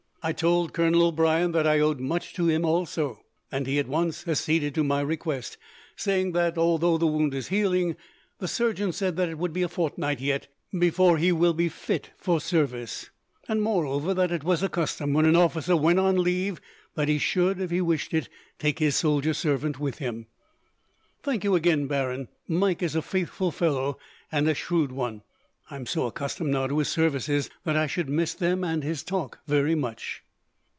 I told Colonel O'Brien that I owed much to him also, and he at once acceded to my request, saying that, although the wound is healing, the surgeon said that it would be a fortnight, yet, before he will be fit for service; and, moreover, that it was a custom when an officer went on leave that he should, if he wished it, take his soldier servant with him." "Thank you again, Baron. Mike is a faithful fellow, and a shrewd one. I am so accustomed now to his services that I should miss them, and his talk, very much."